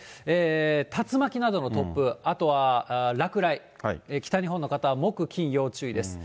竜巻などの突風、あとは落雷、北日本の方は木、金、要注意です。